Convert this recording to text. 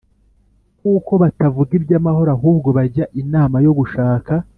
Kuko batavuga iby’amahoro, ahubwo bajya inama yo gushaka